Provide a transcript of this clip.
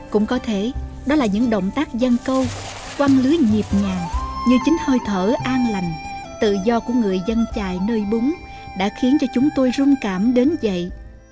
cũng có thể đó là những động tác dân câu quan lưới nhịp nhàng như chính hơi thở an lành tự do của người dân chài nơi búng đã khiến cho chúng tôi rung cảm đến vậy